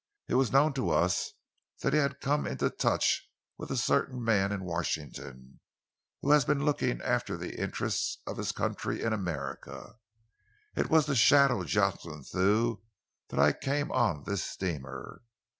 It was known to us that he had come into touch with a certain man in Washington who has been looking after the interests of his country in America. It was to shadow Jocelyn Thew that I came on this steamer.